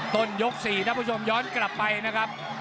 ต้นยก๔ท่านผู้ชมย้อนกลับไปนะครับ